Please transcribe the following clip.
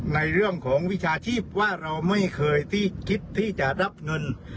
ในเรื่องของวิชาชีพว่าเราไม่เคยที่คิดที่จะรับเงิน